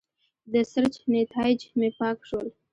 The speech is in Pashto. د سرچ نیتایج مې پاک شول.